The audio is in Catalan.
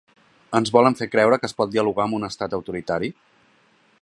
Ens volen fer creure que es pot dialogar amb un estat autoritari?